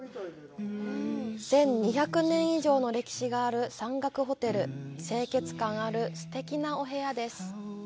１２０年以上の歴史がある山岳ホテル清潔感あるすてきなお部屋です。